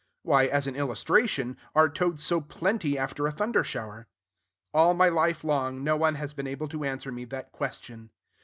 Why, as an illustration, are toads so plenty after a thunder shower? All my life long, no one has been able to answer me that question.